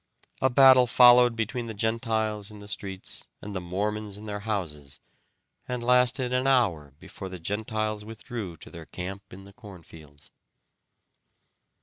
A battle followed between the Gentiles in the streets and the Mormons in their houses, and lasted an hour before the Gentiles withdrew to their camp in the corn fields.